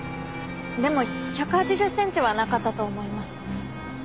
でも１８０センチはなかったと思います。